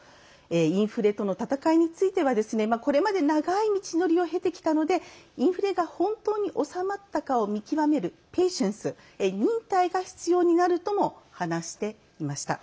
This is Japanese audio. インフレとの闘いについてはこれまで長い道のりを経てきたのでインフレが本当に収まったかを見極めるｐａｔｉｅｎｃｅ忍耐が必要になるとも話していました。